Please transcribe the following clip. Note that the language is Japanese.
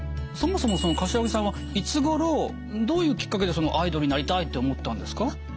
そもそも柏木さんはいつごろどういうきっかけでアイドルになりたいって思ったんですか？